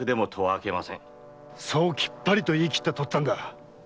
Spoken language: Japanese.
そうきっぱりと言いきった父っつぁんだ。